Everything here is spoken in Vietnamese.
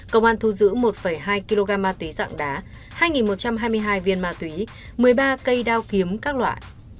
công an thu giữ một hai kg ma túy dạng đá hai một trăm hai mươi hai viên ma túy một mươi ba cây đao kiếm các loại